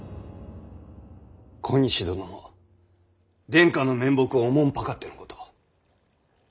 小西殿も殿下の面目をおもんぱかってのこと。